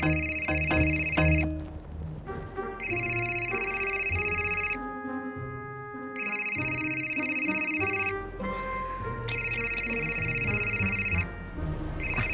kok nggak diangkat tolfonya kang